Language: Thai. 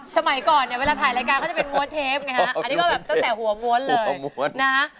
สมัยก่อนเนี่ยเวลาถ่ายรายการเขาจะเป็นม้วนเทปไงฮะอันนี้ก็แบบตั้งแต่หัวม้วนเลยนะฮะ